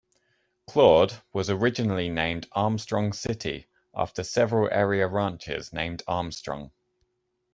Claude was originally named Armstrong City after several area ranches named Armstrong.